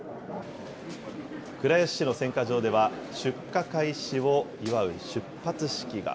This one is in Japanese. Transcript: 倉吉市の選果場では、出荷開始を祝う出発式が。